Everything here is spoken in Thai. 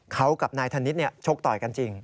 เขากับนายธนิษฐ์ชกต่อยกันจริง